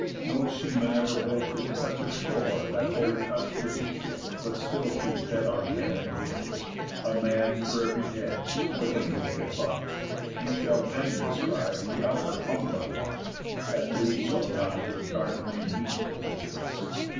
No sea man ever boasted touch of shore That there touch'd with his ship, but still she fed Of him and his; a man for ev'ry head Spoiling his ship of. You shall then descry The other humbler rock, that moves so nigh Your dart may mete the distance.